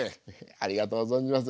ありがとう存じます。